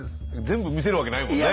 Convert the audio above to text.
全部見せるわけないもんね。